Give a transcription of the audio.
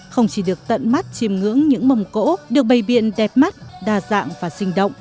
không chỉ được tận mắt chìm ngưỡng những mầm cỗ được bày biện đẹp mắt đa dạng và sinh động